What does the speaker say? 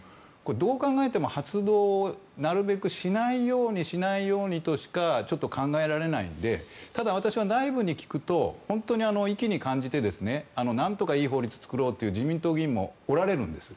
どう考えても発動をなるべくしないようにとしか考えられないのでただ、私は内部に聞くと意気に感じて何とかいいほうに作ろうという自民党議員もおられるんです。